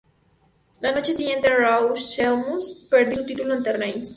La noche siguiente en "Raw", Sheamus perdió su título ante Reigns.